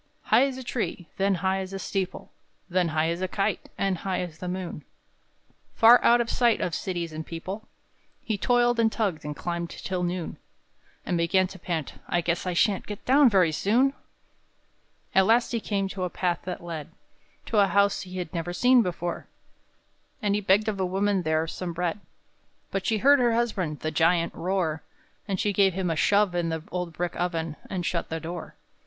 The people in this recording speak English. _" High as a tree, then high as a steeple, Then high as a kite, and high as the moon, Far out of sight of cities and people, He toiled and tugged and climbed till noon; And began to pant: "I guess I shan't Get down very soon!" At last he came to a path that led To a house he had never seen before; And he begged of a woman there some bread; But she heard her husband, the Giant, roar, And she gave him a shove in the old brick oven, And shut the door.